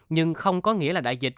nhưng không có nghĩa là đại dịch